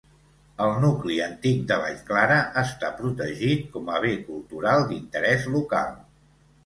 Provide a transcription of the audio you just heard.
El nucli antic de Vallclara està protegit com a bé cultural d'interès local.